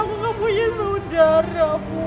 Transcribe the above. aku gak punya saudara